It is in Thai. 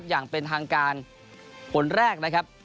อย่างเป็นทางการผลแรก